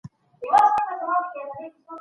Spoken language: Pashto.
هدف وټاکئ.